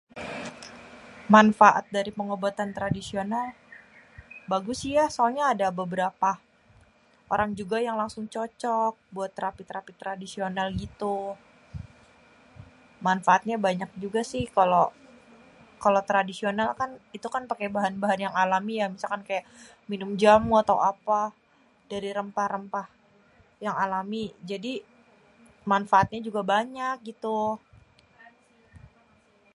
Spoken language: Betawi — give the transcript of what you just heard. Manfaat dari pengobatan tradisional bagus si ya, soalnye ada beberapa orang juga yang langsung cocok, buat trapi-trapi tradisional gitu. Manfaatnya banyak juga si kalo, kalo tradisional kan itu kan pake bahan bahan yang alami ya, misalkan ke minum jamu atau apa dari rempah-rempah yang alami, jadi manfaatnya juga banyak gitu.